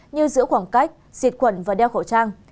như giữ khoảng cách xịt quẩn và đeo khẩu trang